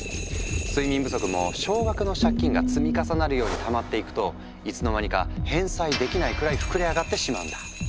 睡眠不足も少額の借金が積み重なるようにたまっていくといつの間にか返済できないくらい膨れ上がってしまうんだ。